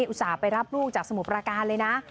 อุตส่าห์ไปรับลูกจากสมุทรประการเลยนะ